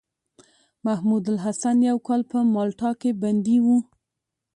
محمودالحسن يو کال په مالټا کې بندي وو.